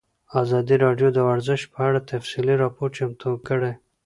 ازادي راډیو د ورزش په اړه تفصیلي راپور چمتو کړی.